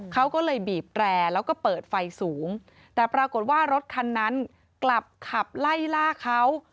เขาก็เลยบีบแตรแล้วก็เปิดไฟสูงแต่ปรากฏว่ารถคันนั้นกลับขับไล่ล่าเขา